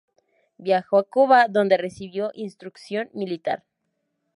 Viajó a Cuba donde recibió instrucción militar.